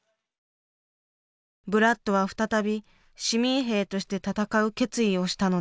ブラッドは再び市民兵として戦う決意をしたのです。